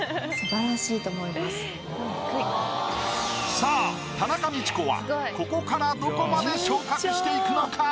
さあ田中道子はここからどこまで昇格していくのか？